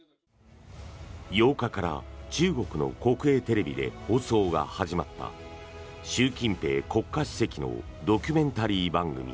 ８日から中国の国営テレビで放送が始まった習近平国家主席のドキュメンタリー番組。